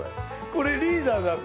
これリーダーだって。